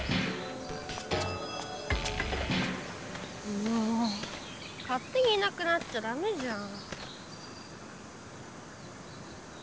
もう勝手にいなくなっちゃダメじゃん。